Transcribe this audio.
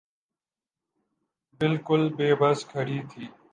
بالکل بے بس کھڑی تھی۔